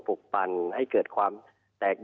ปลูกปั่นให้เกิดความแตก